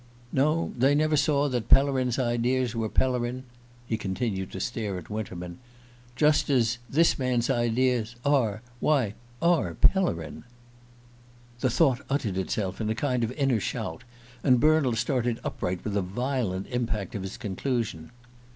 "No, they never saw that Pellerin's ideas were Pellerin. ..." He continued to stare at Winterman. "Just as this man's ideas are why, are Pellerin!" The thought uttered itself in a kind of inner shout, and Bernald started upright with the violent impact of his conclusion.